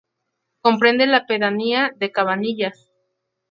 Comprende la pedanía de Cabanillas.